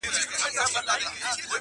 o تېغ په جوهر خورک کوي٫